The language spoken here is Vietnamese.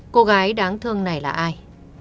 cô gái đáng thương này là ai